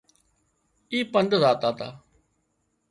اي پند زاتا تا